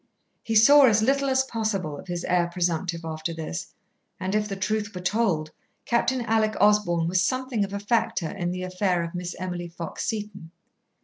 He saw as little as possible of his heir presumptive after this, and if the truth were told, Captain Alec Osborn was something of a factor in the affair of Miss Emily Fox Seton.